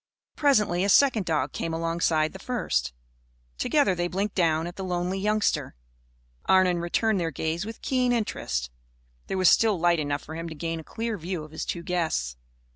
Presently a second dog came alongside the first. Together they blinked down at the lonely youngster. Arnon returned their gaze with keen interest. There was still light enough for him to gain a clear view of his two guests.